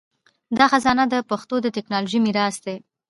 دا خزانه د پښتو د ټکنالوژۍ میراث دی.